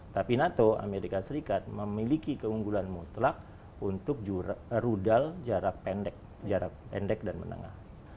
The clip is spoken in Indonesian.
tapi nato amerika serikat memiliki keunggulan mutlak untuk rudal jarak pendek jarak pendek dan menengah